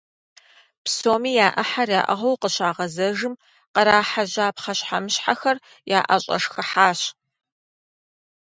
Псоми я Ӏыхьэр яӀыгъыу къыщагъэзэжым, кърахьэжьа пхъэщхьэмыщхьэхэр яӀэщӀэшхыхьащ.